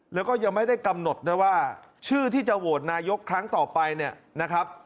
แล้วก็ยังไม่ได้กำหนดด้วยว่าชื่อที่จะโหวตนายกครั้งต่อไปเนี่ยนะครับ